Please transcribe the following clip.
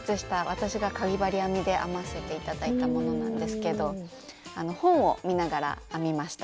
私がかぎ針編みで編ませて頂いたものなんですけど本を見ながら編みました。